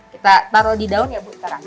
kita taruh di daun ya bu sekarang